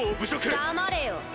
黙れよ。